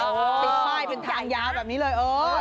ติดป้ายเป็นทางยาวแบบนี้เลยเออ